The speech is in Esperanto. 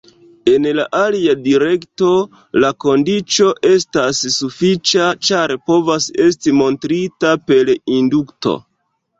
En la alia direkto, la kondiĉo estas sufiĉa, ĉar povas esti montrita per indukto.